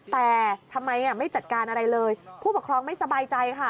แต่ทำไมไม่จัดการอะไรเลยผู้ปกครองไม่สบายใจค่ะ